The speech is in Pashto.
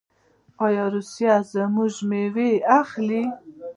آیا روسیه زموږ میوه اخلي؟